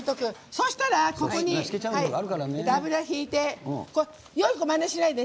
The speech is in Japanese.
そしたら、ここに油を敷いてよい子はまねしないで。